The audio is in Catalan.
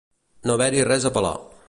No haver-hi res a pelar.